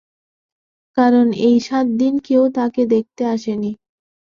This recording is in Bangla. কারণ এই সাত দিন কেউ তাকে দেখতে আসে নি।